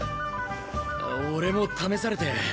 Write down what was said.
俺も試されて